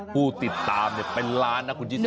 ผู้ติดตามเนี่ยเป็นล้านนะคุณที่สาม